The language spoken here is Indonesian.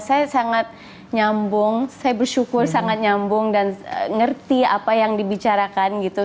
saya sangat nyambung saya bersyukur sangat nyambung dan ngerti apa yang dibicarakan gitu